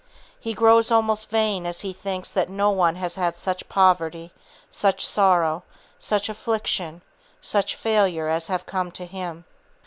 He grows almost vain as he thinks that no one has had such poverty, such sorrow, such affliction, such failure as have come to him.